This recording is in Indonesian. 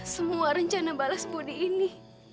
semua rencana balas budi ini